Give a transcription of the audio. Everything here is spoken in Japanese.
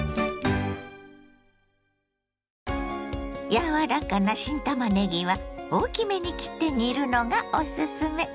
柔らかな新たまねぎは大きめに切って煮るのがおすすめ。